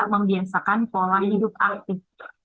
membiasakan pola hidup aktif